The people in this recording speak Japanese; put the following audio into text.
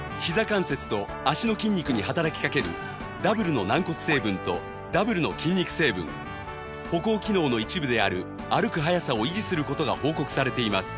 関節と脚の筋肉に働きかけるダブルの軟骨成分とダブルの筋肉成分歩行機能の一部である歩く早さを維持する事が報告されています